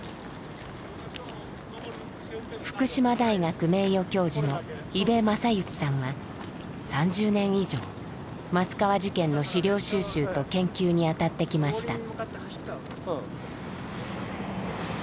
福島大学名誉教授の伊部正之さんは３０年以上松川事件の資料収集と研究にあたってきました。